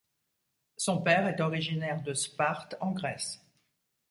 Son père est originaire de Sparte en Grèce.